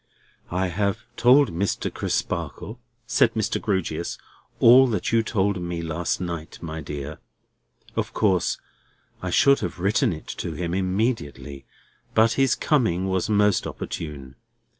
"I have told Mr. Crisparkle," said Mr. Grewgious, "all that you told me last night, my dear. Of course I should have written it to him immediately; but his coming was most opportune.